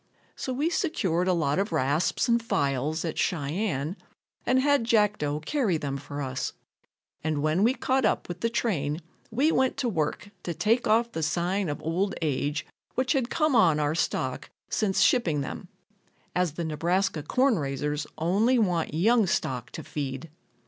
So we secured a lot of rasps and files at Cheyenne and had Jackdo carry them for us, and when we caught up with the train we went to work to take off the sign of old age which had come on our stock since shipping them, as the Nebraska corn raisers only want young stock to feed.